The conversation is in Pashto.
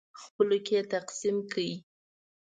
خپلو کې یې تقسیم کړئ.